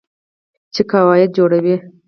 چې قواعد جوړوي.